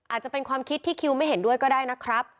อาจจะเป็นความคิดที่คิวไม่เห็นด้วยก็ได้นะครับ